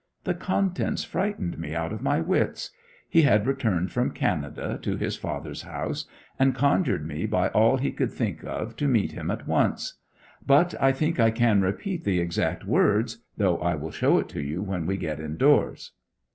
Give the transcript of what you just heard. The contents frightened me out of my wits. He had returned from Canada to his father's house, and conjured me by all he could think of to meet him at once. But I think I can repeat the exact words, though I will show it to you when we get indoors.